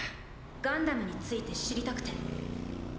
ガンダムについて知りたくて。